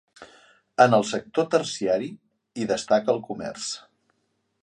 En el sector terciari, hi destaca el comerç.